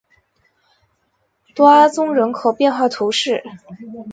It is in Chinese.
多阿宗人口变化图示